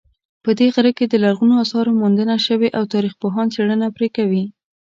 په دې غره کې د لرغونو آثارو موندنه شوې او تاریخپوهان څېړنه پرې کوي